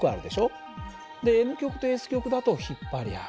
でＮ極とＳ極だと引っ張り合う。